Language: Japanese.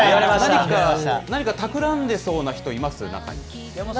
何か企んでそうな人います？